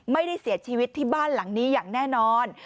ไม่ได้เสียชีวิตที่บ้านหลังนี้อย่างแน่นอน